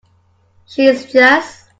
She is just.